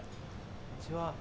こんにちは。